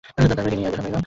তারপরই কিনাইয়ের দেখা পেলাম।